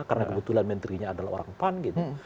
karena kebetulan menterinya adalah orang pan gitu